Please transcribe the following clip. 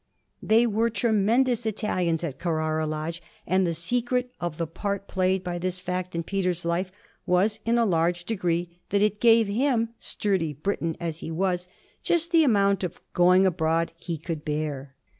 They were tremendous Italians at Carrara Lodge, and the secret of the part played by this fact in Peter's life was in a large degree that it gave him, sturdy Briton as he was, just the amount of 'going abroad' he could bear.